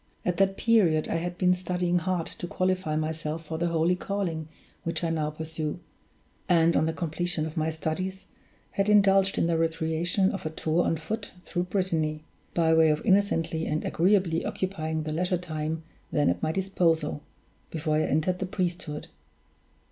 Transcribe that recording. At that period I had been studying hard to qualify myself for the holy calling which I now pursue; and, on the completion of my studies, had indulged in the recreation of a tour on foot through Brittany, by way of innocently and agreeably occupying the leisure time then at my disposal, before I entered the priesthood.